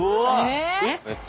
えっ？